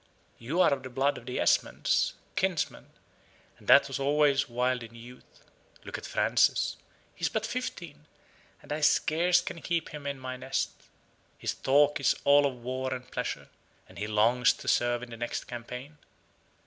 You are of the blood of the Esmonds, kinsman; and that was always wild in youth. Look at Francis. He is but fifteen, and I scarce can keep him in my nest. His talk is all of war and pleasure, and he longs to serve in the next campaign.